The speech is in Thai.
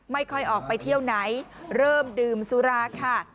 ไม่ค่อยออกไปเที่ยวไหนเริ่มดื่มสุราค่ะ